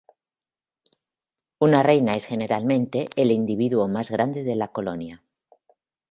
Una reina es generalmente el individuo más grande de la colonia.